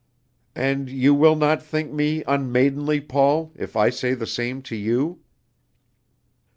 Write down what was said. "And you will not think me unmaidenly, Paul, if I say the same to you?"